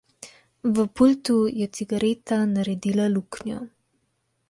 V pultu je cigareta naredila luknjo.